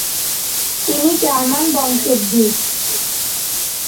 তিনি জার্মান বংশদ্ভুত।